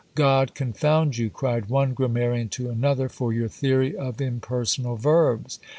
"God confound you," cried one grammarian to another, "for your theory of impersonal verbs!"